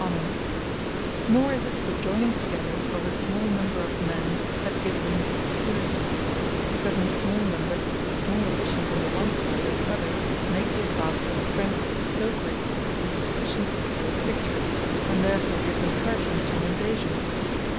Nor From The Conjunction Of A Few Men Or Familyes Nor is it the joyning together of a small number of men, that gives them this security; because in small numbers, small additions on the one side or the other, make the advantage of strength so great, as is sufficient to carry the Victory; and therefore gives encouragement to an Invasion.